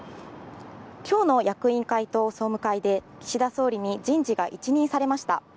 きょうの役員会と総務会で岸田総理に人事が一任されました。